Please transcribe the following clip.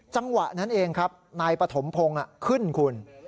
จังหวะนั้นเองครับนายปฐมพงศ์ขึ้นคุณ